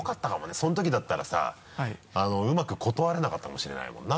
その時だったらさうまく断れなかったかもしれないもんな。